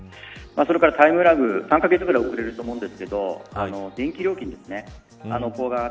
それからタイムラグ３カ月くらい遅れると思うんですが電気料金ですね。